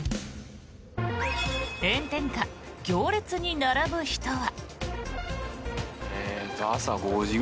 炎天下、行列に並ぶ人は。